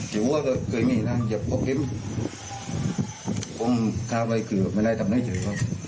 อยู่ว่าเกิดยังไงล่ะเหยียบก็เต็มผมข้าวไว้เกลือไม่ได้ทำได้เฉย